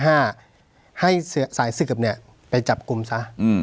ให้สายเสือบเนี่ยไปจับกุมซะ